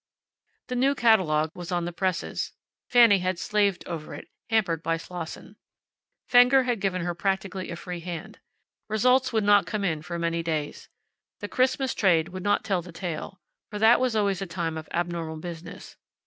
The new catalogue was on the presses. Fanny had slaved over it, hampered by Slosson. Fenger had given her practically a free hand. Results would not come in for many days. The Christmas trade would not tell the tale, for that was always a time of abnormal business.